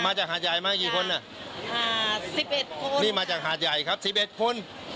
มาจากหาดใหญ่มากี่คนน่ะนี่มาจากหาดใหญ่ครับ๑๑คน